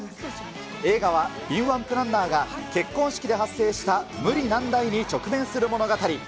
映画は敏腕プランナーが、結婚式で発生した無理難題に直面する物語。